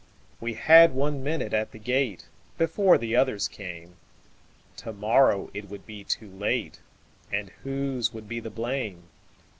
We had one minute at the gate, Before the others came; To morrow it would be too late, And whose would be the blame!